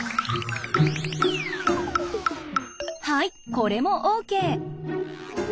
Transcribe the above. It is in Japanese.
はいこれもＯＫ。